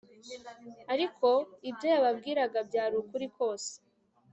ariko ibyo yababwiraga byari ukuri kose